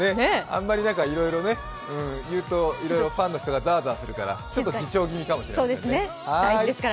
あまり、いろいろ言うと、ファンの人がザワザワするからちょっと自重気味かもしれないですね。